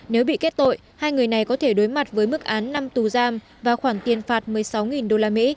nếu bị kết tội hai người này có thể đối mặt với mức án năm tù giam và khoản tiền phạt một mươi sáu usd